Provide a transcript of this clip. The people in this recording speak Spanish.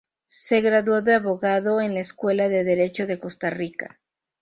Se graduó de abogado en la Escuela de Derecho de Costa Rica.